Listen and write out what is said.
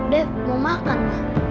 dev mau makan